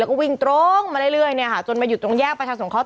แล้วก็วิ่งตรงมาเรื่อยจนมาอยู่ตรงแยกประชาสงเคราะห์